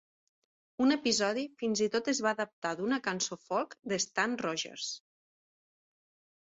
Un episodi fins i tot es va adaptar d'una cançó folk de Stan Rogers.